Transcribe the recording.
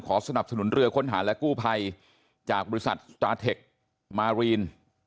สนับสนุนเรือค้นหาและกู้ภัยจากบริษัทสตราเทคมารีน